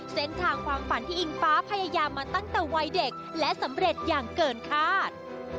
เส้นทางความฝันที่อิงฟ้าพยายามมาตั้งแต่วัยเด็กและสำเร็จอย่างเกินคาด